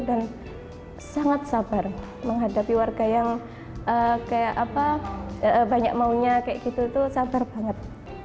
dan sangat sabar menghadapi warga yang kayak apa banyak maunya kayak gitu tuh sabar banget